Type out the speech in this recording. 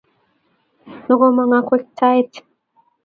Nokomonngwektaet